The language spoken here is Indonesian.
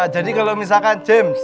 jadi kalau misalkan james